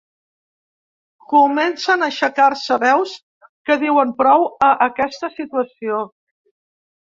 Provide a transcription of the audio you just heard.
Comencen a aixecar-se veus que diuen prou a aquesta situació.